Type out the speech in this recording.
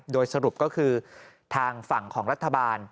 โดยสรุปก็คือทางฝั่งของรัฐบาล